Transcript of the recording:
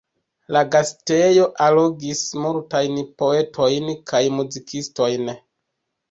La gastejo allogis multajn poetojn kaj muzikistojn.